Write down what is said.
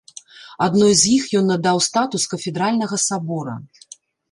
Адной з іх ён надаў статус кафедральнага сабора.